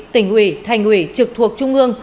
tỉnh ủy thành ủy trực thuộc trung ương